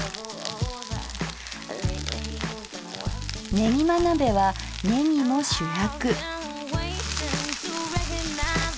ねぎま鍋はねぎも主役。